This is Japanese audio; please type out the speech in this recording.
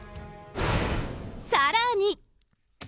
さらに。